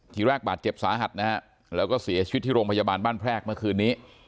ทีแรกบาดเจ็บสาหัสนะฮะแล้วก็เสียชีวิตที่โรงพยาบาลบ้านแพรกเมื่อคืนนี้